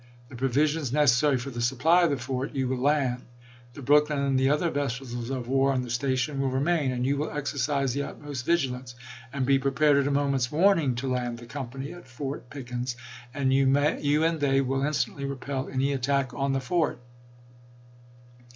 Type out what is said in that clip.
The provisions necessary for the supply of the fort you will land. The Brook lyn and the other vessels of war on the station will remain, and you will exercise the utmost vigilance, and be prepared at a moment's warning to land the a£'?AC£" company at Fort Pickens, and you and they will tiou/'Se. instantly repel any attack on the fort."